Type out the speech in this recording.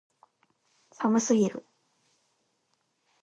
寒すぎる